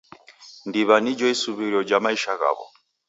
Ndiw'a nijo isuw'irio ja maisha ghaw'o.